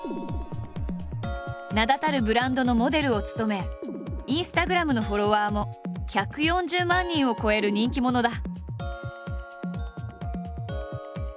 名だたるブランドのモデルを務めインスタグラムのフォロワーも１４０万人を超える人気者だ。